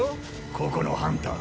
ここのハンター。